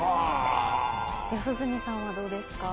四十住さんはどうですか？